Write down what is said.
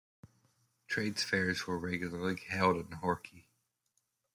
Trades fairs were regularly held in Horki.